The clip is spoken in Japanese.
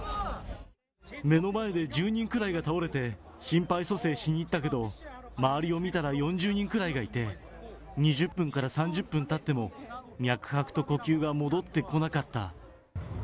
目の前で１０人くらいが倒れて、心肺蘇生しに行ったけど、周りを見たら４０人くらいがいて、２０分から３０分たっても、脈拍と呼吸が戻ってこなかった。